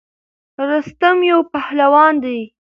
رستم یو پهلوان دی.